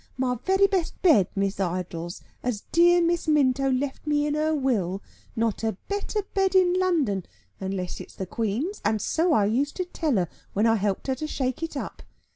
My very best bed, Miss Idols, as dear Miss Minto left me by her will, not a better bed in London, unless it's the Queen's, and so I used to tell her when I helped to shake it up.